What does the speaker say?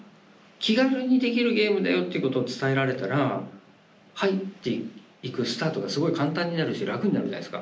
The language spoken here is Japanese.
「気軽にできるゲームだよ」っていうことを伝えられたら入っていくスタートがすごい簡単になるし楽になるじゃないですか。